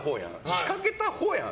仕掛けたほうやん。